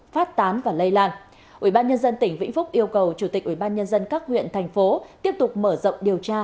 phát tán và lây lan ủy ban nhân dân tỉnh vĩnh phúc yêu cầu chủ tịch ủy ban nhân dân các huyện thành phố tiếp tục mở rộng điều tra